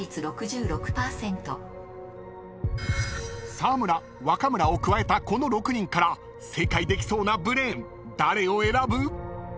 ［沢村若村を加えたこの６人から正解できそうなブレーン誰を選ぶ？］